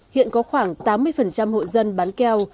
hiện có khoảng tám mươi hội dân bán keo